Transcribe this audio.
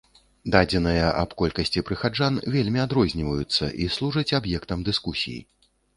Дадзеныя аб колькасці прыхаджан вельмі адрозніваюцца і служаць аб'ектам дыскусій.